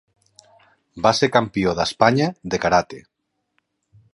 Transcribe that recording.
Va ser campió d'Espanya de karate.